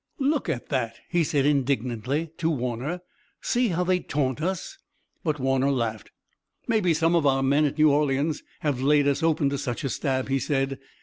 "Look at that!" he said indignantly to Warner. "See how they taunt us!" But Warner laughed. "Maybe some of our men at New Orleans have laid us open to such a stab," he said.